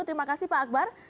terima kasih pak akbar